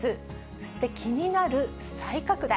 そして気になる再拡大。